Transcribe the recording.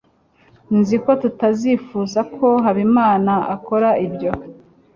nzi ko tutazifuza ko habimana akora ibyo